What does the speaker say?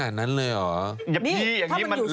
อาหนุ่ยเราเริ่มแล้ว